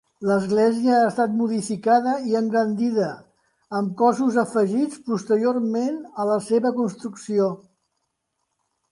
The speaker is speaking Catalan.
L'església ha estat modificada i engrandida amb cossos afegits posteriorment a la seva construcció.